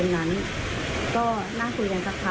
ประมาณจะบ่ายสามค่ะประมาณเนี้ยค่ะ